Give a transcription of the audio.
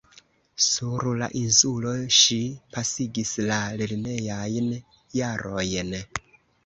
Sur la insulo ŝi pasigis la lernejajn jarojn.